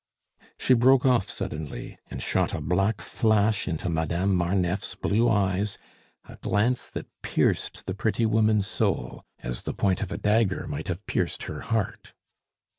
She broke off suddenly, and shot a black flash into Madame Marneffe's blue eyes, a glance that pierced the pretty woman's soul, as the point of a dagger might have pierced her heart.